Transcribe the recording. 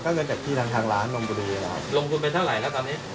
ก็เงินจากที่ทางร้านลงทุนไปเท่าไหร่ล่ะตอนนี้